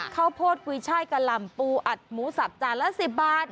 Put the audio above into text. ข้าวโพดกุยช่ายกะหล่ำปูอัดหมูสับจานละ๑๐บาท